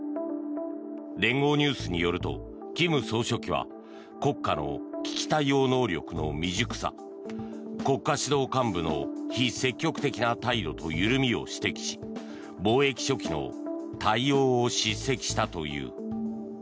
連合ニュースによると金総書記は国家の危機対応能力の未熟さ国家指導幹部の非積極的な態度と緩みを指摘し防疫初期の対応を叱責したという。